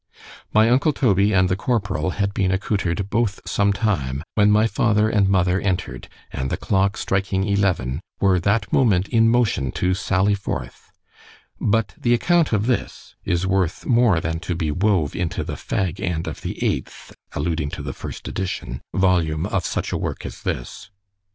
My uncle Toby and the corporal had been accoutred both some time, when my father and mother enter'd, and the clock striking eleven, were that moment in motion to sally forth—but the account of this is worth more than to be wove into the fag end of the eighth volume of such a work as this.